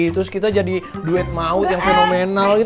terus kita jadi duet maut yang fenomenal